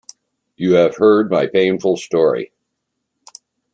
You have heard my painful story.